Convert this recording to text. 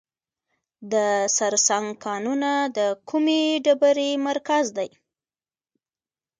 د سرسنګ کانونه د کومې ډبرې مرکز دی؟